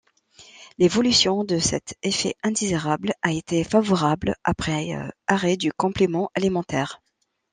L'évolution de cet effet indésirable a été favorable après arrêt du complément alimentaire.